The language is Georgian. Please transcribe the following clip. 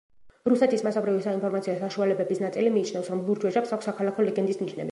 რუსეთის მასობრივი საინფორმაციო საშუალებების ნაწილი მიიჩნევს, რომ ლურჯ ვეშაპს აქვს საქალაქო ლეგენდის ნიშნები.